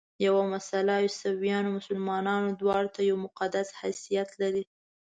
یوه مسله عیسویانو او مسلمانانو دواړو ته یو مقدس حیثیت لري.